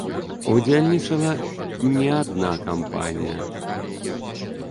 Удзельнічала не адна кампанія.